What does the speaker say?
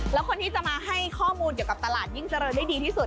แล้วคนที่จะมาให้ข้อมูลเกี่ยวกับตลาดยิ่งเจริญได้ดีที่สุด